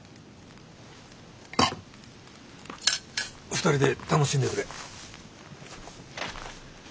２人で楽しんでくれ。